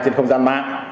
trên không gian mạng